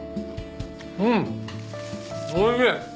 うんおいしい！